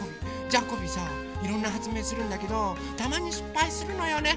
ジャコビさいろんなはつめいするんだけどたまにしっぱいするのよね。